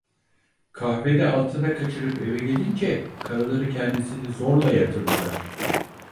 Kahvede altına kaçırıp eve gelince karıları kendisini zorla yatırdılar.